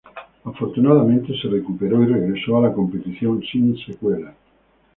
Afortunadamente se recuperó y regresó a la competición sin secuelas.